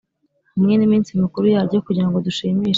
Hamwe n iminsi mikuru yaryo kugira ngo dushimishe